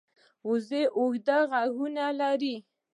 وزې اوږده غوږونه لري